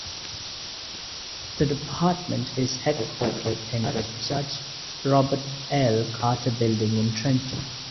The department is headquartered in the Judge Robert L. Carter Building in Trenton.